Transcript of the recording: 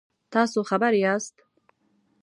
تاسو خبر یاست؟